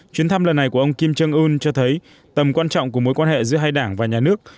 chuyến thăm lần này của ông kim jong un cho thấy tầm quan trọng của mối quan hệ giữa hai đảng và nhà nước